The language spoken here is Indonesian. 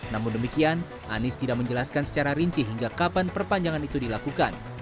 namun demikian anies tidak menjelaskan secara rinci hingga kapan perpanjangan itu dilakukan